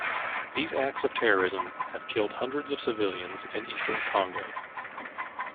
These acts of terrorism have killed hundreds of civilians in Eastern Congo.